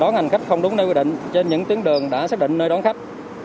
đón hành khách không đúng nơi quy định trên những tuyến đường đã xác định nơi đón khách